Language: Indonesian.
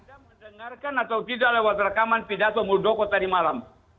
anda mendengarkan atau tidak lewat rekaman pidato muldoko tadi malam